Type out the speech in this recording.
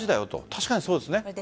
確かにそうですね。